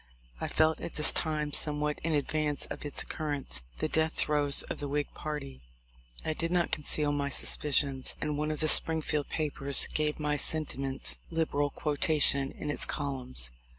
I felt at this time, THE LIFE OF LINCOLN. 285 somewhat in advance of its occurrence, the death throes of the Whig party. I did not conceal my suspicions, and one of the Springfield papers gave my sentiments liberal quotation in its columns.